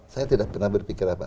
saya tidak pernah berpikir apa